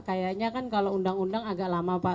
kayaknya kan kalau undang undang agak lama pak